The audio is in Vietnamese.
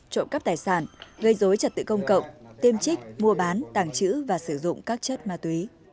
trộm cắp tài sản gây dối trật tự công cộng tiêm trích mua bán tàng trữ và sử dụng các chất ma túy